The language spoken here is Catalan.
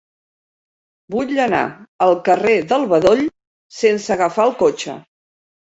Vull anar al carrer del Bedoll sense agafar el cotxe.